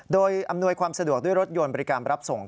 โดยอำนวยความสะดวกด้วยรถยนต์บริการรับส่ง